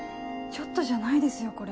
ちょっとじゃないですよこれ。